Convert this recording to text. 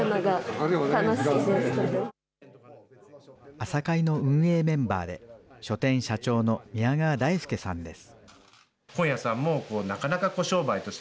朝会の運営メンバーで、書店社長の宮川大輔さんです。